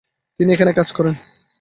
তিনি এখানে কাজ করেন।